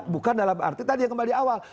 bukan dalam arti tadi yang kembali awal